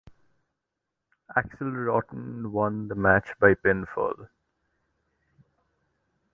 Axl Rotten won the match by pinfall.